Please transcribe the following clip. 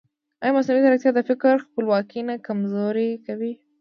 ایا مصنوعي ځیرکتیا د فکر خپلواکي نه کمزورې کوي؟